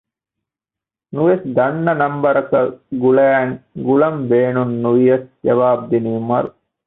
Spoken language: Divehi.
ނުވެސް ދަންނަ ނަންބަރަކަށް ގުޅައިން ގުޅަން ބޭނުން ނުވިޔަސް ޖަވާބު ދިނީ މަރު